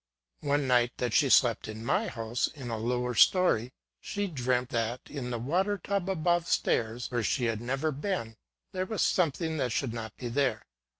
One night that she slept in my house, in a lower story, she dreamt that, in the water tub above stairs, where she had never been, there was some thing that should not be there.